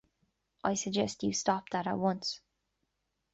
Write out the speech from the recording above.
I suggest you stop that at once.